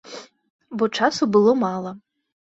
Бо часу было мала.